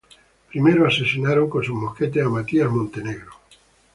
Primero asesinaron con sus mosquetes a Matias Montenegro.